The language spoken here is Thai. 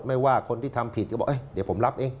ไม่ว่าคนที่ทำผิดก็บอกเดี๋ยวผมรับเอง